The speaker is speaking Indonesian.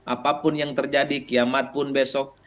apapun yang terjadi kiamat pun besok